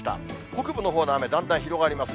北部のほうの雨、だんだん広がります。